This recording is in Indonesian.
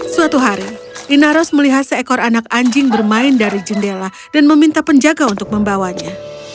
suatu hari inaros melihat seekor anak anjing bermain dari jendela dan meminta penjaga untuk membawanya